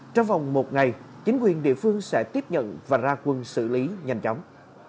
trong vòng một ngày chính quyền địa phương sẽ tiếp nhận và ra quân xử lý nhanh chóng